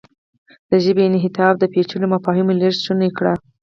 د ژبې انعطاف د پېچلو مفاهیمو لېږد شونی کړ.